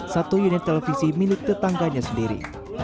satu unit televisi milik tetangganya sendiri